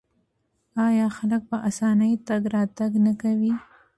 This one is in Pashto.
آیا خلک په اسانۍ تګ راتګ نه کوي؟